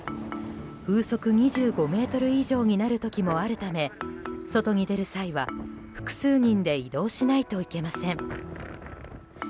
風速２５メートル以上になる時もあるため外に出る際は複数人で移動しないといけません。